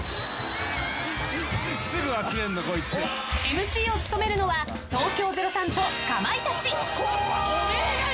ＭＣを務めるのは東京０３とかまいたち。